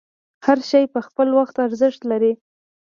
هر شی په خپل وخت ارزښت لري.